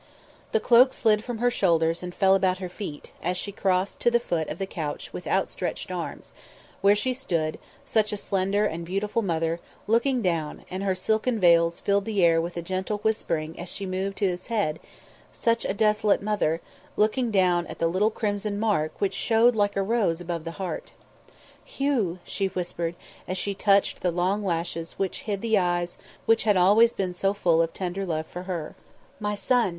The cloak slid from her shoulders and fell about her feet, as she crossed to the foot of the couch with out stretched arms, where she stood, such a slender and beautiful mother, looking down; and her silken veils filled the air with a gentle whispering as she moved to his head such a desolate mother, looking down at the little crimson mark which showed like a rose above the heart. "Hugh!" She whispered, as she touched the long lashes which hid the eyes which had always been so full of tender love for her. "My son!"